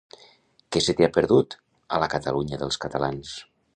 Què se t'hi ha perdut, a la Catalunya dels catalans?